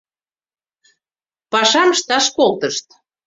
— Пашам ышташ колтышт...